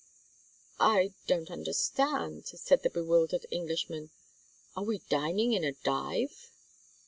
"I don't understand," said the bewildered Englishman. "Are we dining in a dive?"